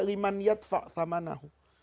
liman yatfa' sama nahu